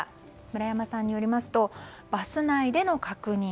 村山さんによりますとバス内での確認